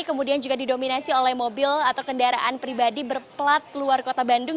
kemudian juga didominasi oleh mobil atau kendaraan pribadi berplat luar kota bandung